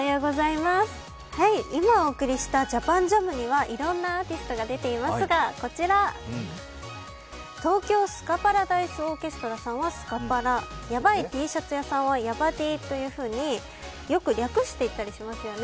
今、お送りしたＪＡＰＡＮＪＡＭにはいろんなアーティストが出ていますが、こちら東京スカパラダイスオーケストラさんは、スカパラヤバイＴシャツ屋さんはヤバＴというふうに、よく略して言ったりしますよね。